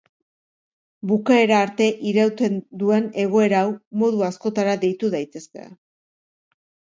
Bukaera arte irauten duen egoera hau modu askotara deitu daitezke.